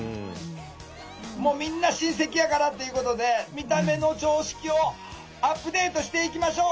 もうみんな親戚やからっていうことで見た目の常識をアップデートしていきましょう！